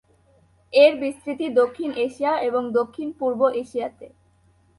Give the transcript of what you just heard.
এর বিস্তৃতি দক্ষিণ এশিয়া এবং দক্ষিণ পূর্ব এশিয়াতে।